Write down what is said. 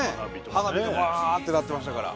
花火ドカーンってなってましたから。